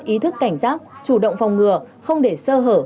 ý thức cảnh giác chủ động phòng ngừa không để sơ hở